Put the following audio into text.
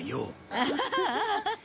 アハハハ。